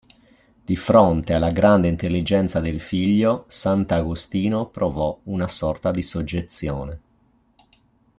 Di fronte alla grande intelligenza del figlio, sant'Agostino provò una sorta di soggezione.